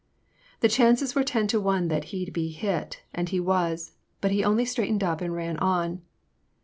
The chances were ten to one that he 'd be hit, and he was, but he only straightened up and ran on.